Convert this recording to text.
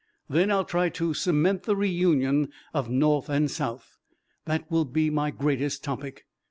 Then I'll try to cement the reunion of North and South. That will be my greatest topic.